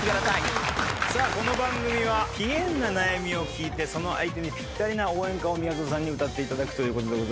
さあこの番組はぴえんな悩みを聞いてその相手にぴったりな応援歌をみやぞんさんに歌っていただくと。